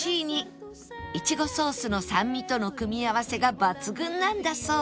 いちごソースの酸味との組み合わせが抜群なんだそう